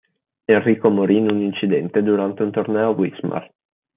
Enrico morì in un incidente durante un torneo a Wismar.